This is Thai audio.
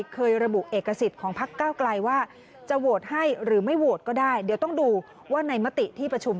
ก็หนึ่งเป็นสิ่งที่เราอยากทำอยู่แล้วคือติดต้นข่าว